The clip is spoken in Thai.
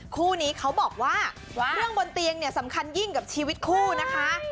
คู่นี้เขาบอกว่าเรื่องบนเตียงเนี่ยสำคัญยิ่งกับชีวิตคู่นะคะ